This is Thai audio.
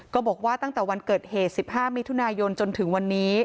ก็บอกว่าตั้งแต่วันเกิดเหตุ๑๕มิถุนายนจนถึงวันนี้